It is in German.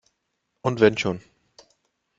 Und wenn schon!